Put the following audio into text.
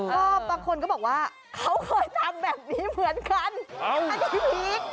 ก็บางคนก็บอกว่าเขาเคยทำแบบนี้เหมือนกันอันนี้พีค